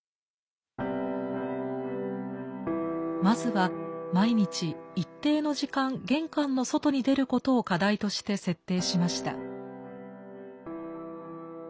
まずは毎日一定の時間玄関の外に出ることを課題として設定しました。